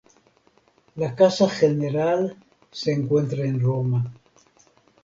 La casa general se encuentra en Roma.